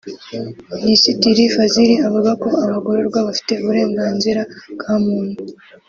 Minisitiri Fazil avuga ko abagororwa bafite uburenganzira bwa muntu